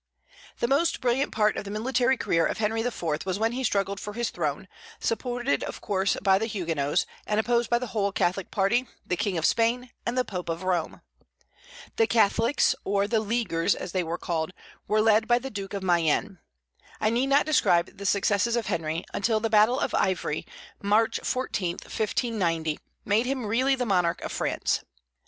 The most brilliant part of the military career of Henry IV. was when he struggled for his throne, supported of course by the Huguenots, and opposed by the whole Catholic party, the King of Spain, and the Pope of Rome. The Catholics, or the "Leaguers" as they were called, were led by the Duke of Mayenne. I need not describe the successes of Henry, until the battle of Ivry, March 14, 1590, made him really the monarch of France.